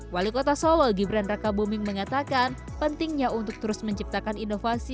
wali kota solo gibran raka buming mengatakan pentingnya untuk terus menciptakan kualitas kreatif di sini